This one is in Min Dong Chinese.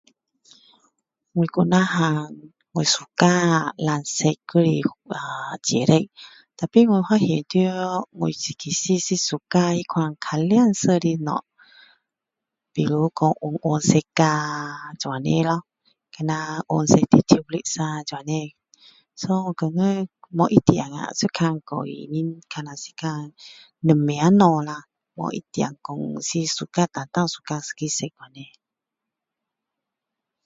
我还以为我喜欢蓝色还是紫色但是我发现到我其实是喜欢那种较亮色的东西比如说黄黄色啊这样咯比如黄色的这样so我觉得不一定啊是看个人的看下看是什么东西啦没有一定没单单喜欢一个色那样